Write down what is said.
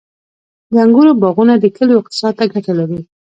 • د انګورو باغونه د کلیو اقتصاد ته ګټه لري.